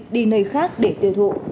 đi nơi khác để tiêu thụ